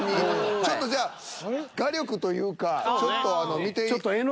ちょっとじゃあ画力というかちょっと見て。